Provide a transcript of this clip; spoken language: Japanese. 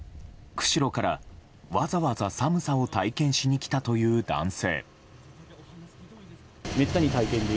釧路から、わざわざ寒さを体験しに来たという男性。